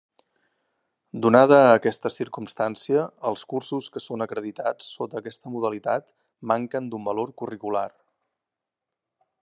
Donada aquesta circumstància, els cursos que són acreditats sota aquesta modalitat manquen d'un valor curricular.